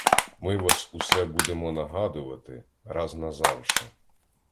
Ми вас усе будемо нагадувати, раз назавше.